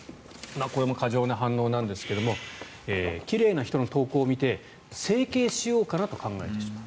これも過剰な反応なんですが奇麗な人の投稿を見て整形しようかなと考えてしまう。